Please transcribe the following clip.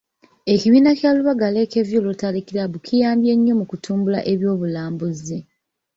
Ekibiina kya Lubaga Lake View Rotary Club kiyambye nnyo mu kutumbula eby'obulambuzi.